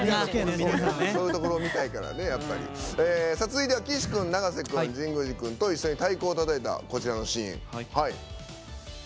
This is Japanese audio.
続いては、岸くん永瀬くん、神宮寺くんと太鼓をたたいたこちらのシーン。